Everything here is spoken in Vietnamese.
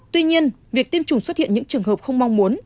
tuy nhiên việc tiêm chủng xuất hiện những trường hợp không mong muốn